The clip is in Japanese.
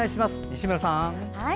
西村さん。